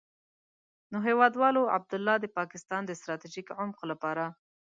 نو هېوادوالو، عبدالله د پاکستان د ستراتيژيک عمق لپاره.